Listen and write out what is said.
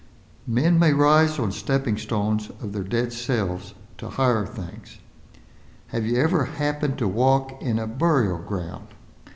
"MEN MAY RISE ON STEPPING STONES OF THEIR DEAD SELVES TO HIGHER THINGS" Have you ever happened to walk in a burial ground?